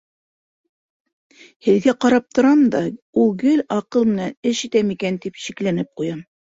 Һеҙгә ҡарап торам да, ул гел аҡыл менән эш итә микән, тип шикләнеп ҡуям.